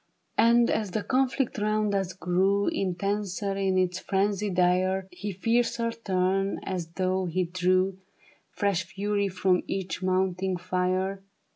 And as the conflict round us grew Intenser in its frenzy dire, He fiercer turned as though he drew Fresh fury from each mounting fire.